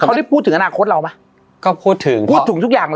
เขาได้พูดถึงอนาคตเราไหมก็พูดถึงพูดถึงทุกอย่างเลย